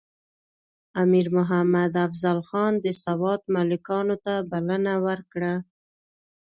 امیر محمد افضل خان د سوات ملکانو ته بلنه ورکړه.